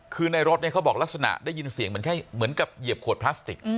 คือในรถเนี่ยเขาบอกลักษณะได้ยินเสียงเหมือนแค่เหมือนกับเหยียบขวดพลาสติก